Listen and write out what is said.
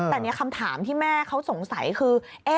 แต่คำถามที่แม่เขาสงสัยคือ